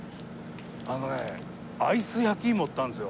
あのねアイス焼いもってあるんですよ。